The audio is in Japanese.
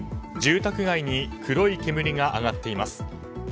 住宅街に黒い煙が上がっています。